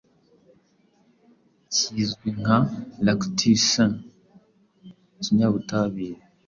kizwi nka lactucin kinyabutabire